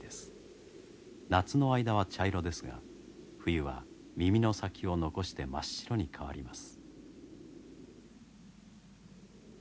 夏の間は茶色ですが冬は耳の先を残して真っ白に変わります。